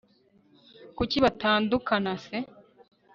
kuki batankunda se